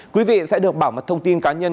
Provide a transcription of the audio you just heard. quý vị sẽ được bảo mật thông tin cá nhân